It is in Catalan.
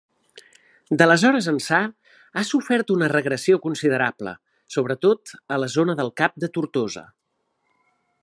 D'aleshores ençà, ha sofert una regressió considerable, sobretot a la zona del cap de Tortosa.